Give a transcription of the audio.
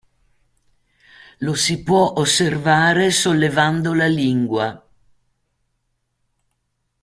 Lo si può osservare sollevando la lingua.